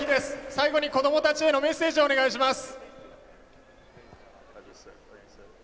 最後に子どもたちへのメッセージをお願いします。